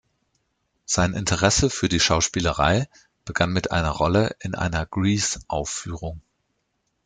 Sein Interesse für die Schauspielerei begann mit einer Rolle in einer "Grease"-Aufführung.